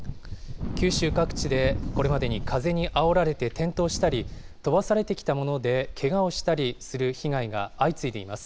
九州各地で、これまでに風にあおられて転倒したり、飛ばされてきたものでけがをしたりする被害が相次いでいます。